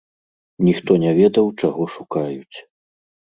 Ніхто не ведаў, чаго шукаюць.